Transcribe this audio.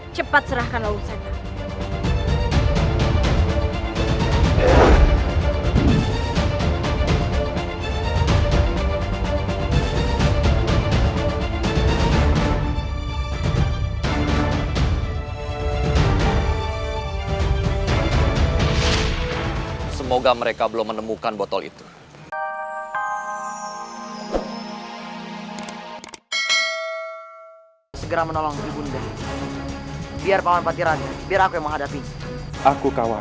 cepat serahkan lalu saya